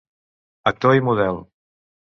Actor i model.